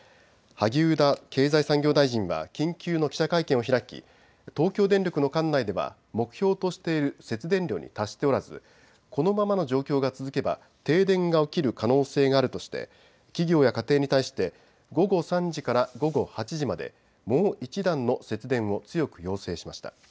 萩生田経済産業大臣は緊急の記者会見を開き東京電力の管内では目標としている節電量に達しておらずこのままの状況が続けば停電が起きる可能性があるとして企業や家庭に対して午後３時から午後８時までもう一段の節電を強く要請しました。